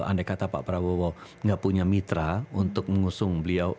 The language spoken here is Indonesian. andai kata pak prabowo gak punya mitra untuk mengusung beliau